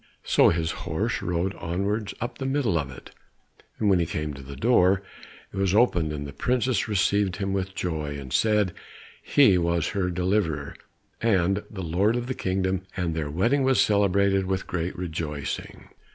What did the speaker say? So his horse rode onwards up the middle of it, and when he came to the door, it was opened and the princess received him with joy, and said he was her deliverer, and lord of the kingdom, and their wedding was celebrated with great rejoicing.